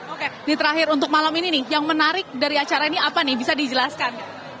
oke ini terakhir untuk malam ini nih yang menarik dari acara ini apa nih bisa dijelaskan